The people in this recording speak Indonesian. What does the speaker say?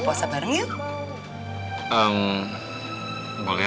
saya mau pulang ke kamp belah